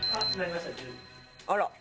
あら。